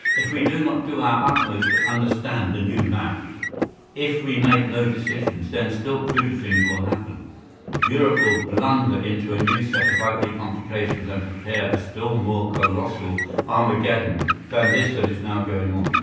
If we do not do our utmost to understand the new map, if we make no decisions, then still cruder things will happen; Europe will blunder into a new set of ugly complications and prepare a still more colossal Armageddon than this that is now going on.